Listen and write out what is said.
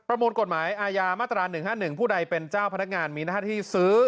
ประมวลกฎหมายอาญามาตราหนึ่งห้าหนึ่งผู้ใดเป็นเจ้าพนักงานมีหน้าที่ซื้อ